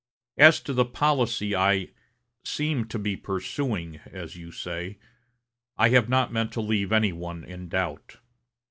"As to the policy I 'seem to be pursuing,' as you say, I have not meant to leave any one in doubt.